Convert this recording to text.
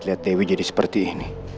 lihat dewi jadi seperti ini